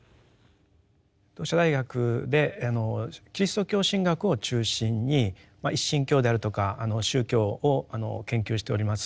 同志社大学でキリスト教神学を中心に一神教であるとか宗教を研究しております